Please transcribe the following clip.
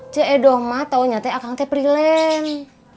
cedoh mah taunya akang prileng